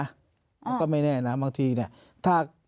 มันก็ไม่แน่นะบางทีเนี่ยถ้า